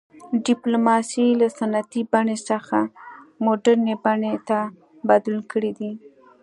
ډیپلوماسي له سنتي بڼې څخه مډرنې بڼې ته بدلون کړی دی